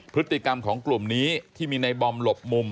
พฤติกรรมของกลุ่มนี้ที่มีในบอมหลบมุม